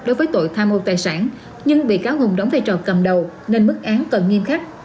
đối với tội tham mô tài sản nhưng bị cáo hùng đóng vai trò cầm đầu nên mức án cần nghiêm khắc